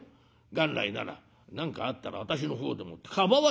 元来なら何かあったら私の方でもってかばわなきゃいけない。